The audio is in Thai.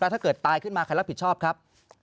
ถ้าเกิดตายขึ้นมาใครรับผิดชอบครับ